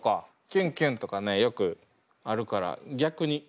「キュンキュン」とかねよくあるから逆に「んまっ」にします？